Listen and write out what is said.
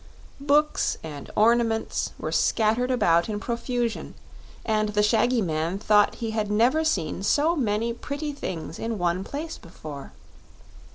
Books and ornaments were scattered about in profusion, and the shaggy man thought he had never seen so many pretty things in one place before.